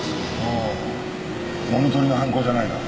ああ物盗りの犯行じゃないな。